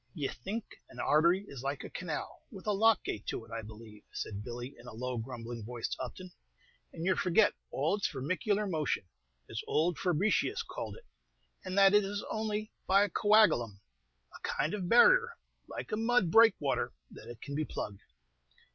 "Ye think an artery is like a canal, with a lock gate to it, I believe," said Billy, in a low, grumbling voice, to Upton, "and you forget all its vermicular motion, as ould Fabricius called it, and that it is only by a coagalum, a kind of barrier, like a mud breakwater, that it can be plugged.